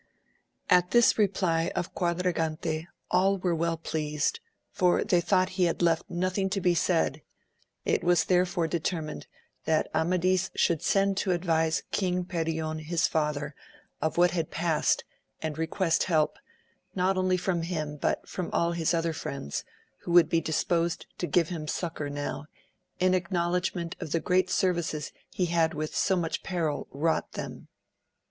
T this reply of Quadragante all were well pleased, for they thought he had left no thing to be said ; it was therefore determined that Amadis should send to advise King Perion his father of what had passed and request help, not only from him, but from all his other friends, who would be disposed to give him succour now, in acknowledgement of the great services he had with so much peril wrought them.